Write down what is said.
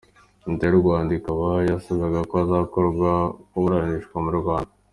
Leta y’u Rwanda ikaba yarasabaga ko yakoherezwa kuburanishirizwa mu Rwanda.